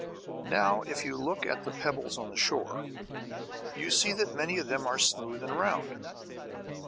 Now if you look at the pebbles on the shore you see that many of them are smooth and round.